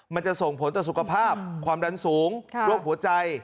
มันจะส่งผลต่อสุขภาพความดันสูงโรคหัวใจ